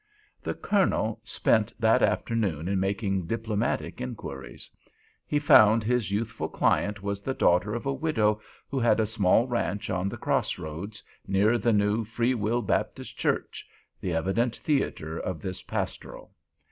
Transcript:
The Colonel spent that afternoon in making diplomatic inquiries. He found his youthful client was the daughter of a widow who had a small ranch on the cross roads, near the new Free Will Baptist church—the evident theatre of this pastoral.